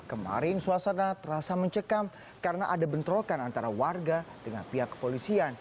kemarin suasana terasa mencekam karena ada bentrokan antara warga dengan pihak kepolisian